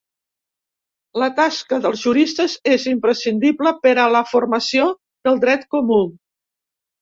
La tasca dels juristes és imprescindible per a la formació del dret comú.